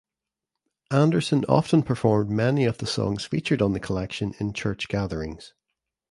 Anderson often performed many of the songs featured on the collection in church gatherings.